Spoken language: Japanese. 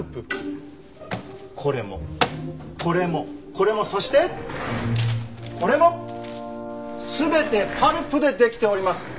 これもこれもこれもそしてこれも全てパルプでできております。